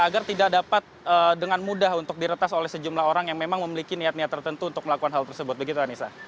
agar tidak dapat dengan mudah untuk diretas oleh sejumlah orang yang memang memiliki niat niat tertentu untuk melakukan hal tersebut begitu anissa